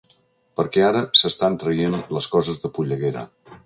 Perquè ara s’estan traient les coses de polleguera.